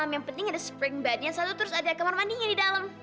yang penting ada spring bednya satu terus ada kamar mandinya di dalam